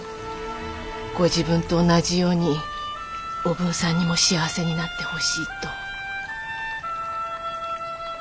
ご自分と同じようにおぶんさんにも幸せになってほしいと。